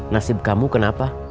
nasib kamu kenapa